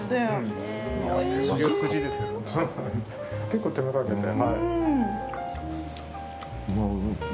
結構手間をかけて。